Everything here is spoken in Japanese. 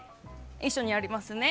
一緒にやりますね。